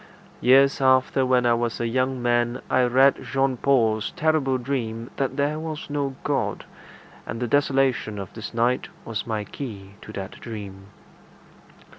Years after, when I was a young man, I read Jean Paul's terrible dream that there was no God, and the desolation of this night was my key to that dream.